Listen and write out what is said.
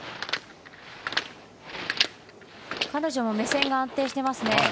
彼女も目線が安定してます。